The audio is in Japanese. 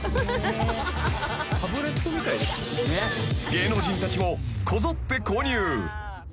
［芸能人たちもこぞって購入］